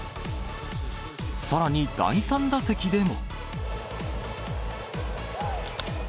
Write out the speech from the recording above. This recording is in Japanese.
さらに第３打席でも。